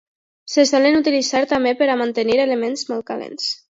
Se solen utilitzar també per a mantenir elements molt calents.